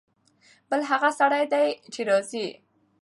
بل هغه سړی دی چې راځي.